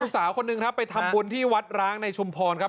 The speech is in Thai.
สาวคนหนึ่งครับไปทำบุญที่วัดร้างในชุมพรครับ